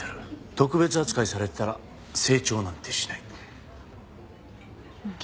特別扱いされてたら成長なんてしない。